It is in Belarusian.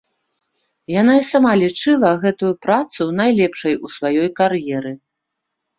Яна і сама лічыла гэтую працу найлепшай у сваёй кар'еры.